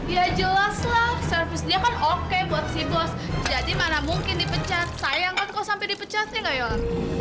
ya jelaslah servisnya kan oke buat si bos jadi mana mungkin dipecat sayang kan kok sampe dipecat nih gaior